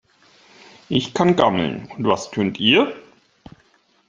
Ich kann gammeln. Und was könnt ihr?